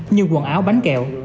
như quần áo bánh kẹo